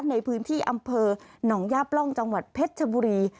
ในพื้นที่อำเภอหนองย่าปล่องจังหวัดเพชรชบุรี